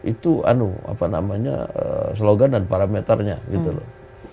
itu apa namanya slogan dan parameternya gitu loh